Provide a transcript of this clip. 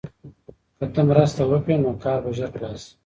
که ته مرسته وکړې نو کار به ژر خلاص شي.